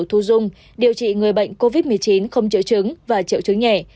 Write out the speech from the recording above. cơ sở thu dung điều trị người bệnh covid một mươi chín không triệu chứng và triệu chứng nhẹ